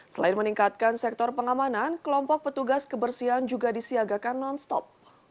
selain meningkatkan sektor pengamanan kelompok petugas kebersihan juga disiagakan non stop